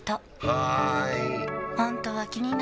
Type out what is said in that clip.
はーい！